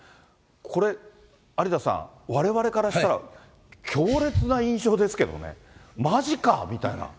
これ、有田さん、われわれからしたら強烈な印象ですけどね、まじかみたいな。